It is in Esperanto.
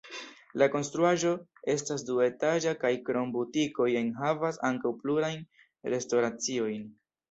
La konstruaĵo estas duetaĝa kaj krom butikoj enhavas ankaŭ plurajn restoraciojn.